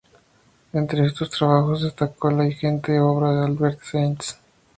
Entre estos trabajos destacó la ingente obra de Adalbert Seitz.